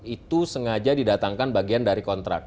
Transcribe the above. itu sengaja didatangkan bagian dari kontrak